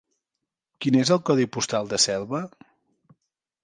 Quin és el codi postal de Selva?